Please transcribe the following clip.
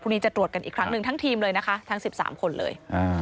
จะตรวจกันอีกครั้งหนึ่งทั้งทีมเลยนะคะทั้ง๑๓คนเลย